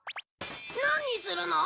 なんにするの？